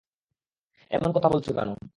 এমন কথা বলছ কেন?